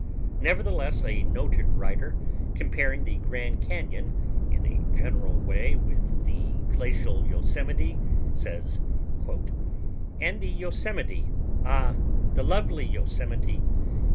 Nevertheless a noted writer, comparing the Grand Cañon in a general way with the glacial Yosemite, says: "And the Yosemite—ah, the lovely Yosemite!